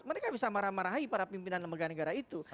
mereka bisa marah marahi para pimpinan lembaga negara itu